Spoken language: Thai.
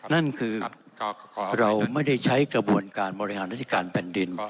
นั่นคือเราไม่ได้ใช้กระบวนการบริหารราชการแผ่นดิน